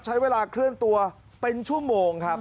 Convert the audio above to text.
ใช้เวลาเคลื่อนตัวเป็นชั่วโมงครับ